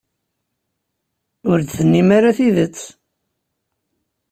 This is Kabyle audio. Ur d-tennim ara tidet.